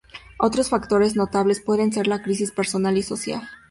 Otros factores notables pueden ser la crisis personal y social.